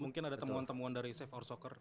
mungkin ada temuan temuan dari safe our soccer